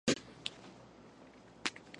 შენობაში განთავსებულია მიწისქვეშა სართულები.